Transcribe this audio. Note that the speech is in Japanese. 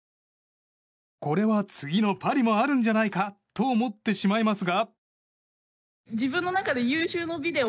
これは、次のパリもあるんじゃないかと思ってしまいますが。